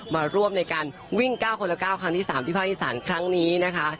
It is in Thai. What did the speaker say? มาร่วมในการวิ่ง๙คนละ๙ครั้งที่๓ที่ภาคอีสานครั้งนี้นะคะ